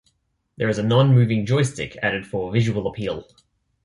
There is a non-moving joystick, added for visual appeal.